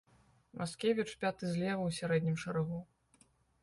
Маскевіч пяты злева ў сярэднім шэрагу.